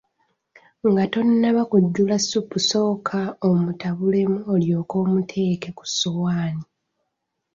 Nga tonnaba kujjula ssupu sooka omutabulemu olyoke omuteeke ku ssowaani.